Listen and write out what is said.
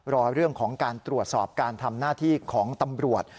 รอเรื่องของการตรวจสอบการทำหน้าที่ของตำรวจ